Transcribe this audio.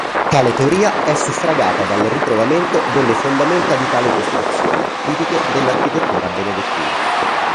Tale teoria è suffragata dal ritrovamento delle fondamenta di tale costruzione, tipiche dell'architettura benedettina.